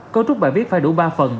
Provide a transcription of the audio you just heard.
cấu trúc bài viết phải đủ ba phần